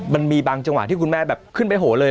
มันมีบางจังหวะที่คุณแม่แบบขึ้นไปโหเลย